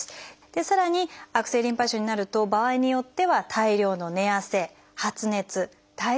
さらに悪性リンパ腫になると場合によっては大量の寝汗発熱体重減少が起きます。